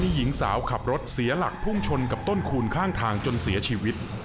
หญิงสาวขับรถเสียหลักพุ่งชนกับต้นคูณข้างทางจนเสียชีวิต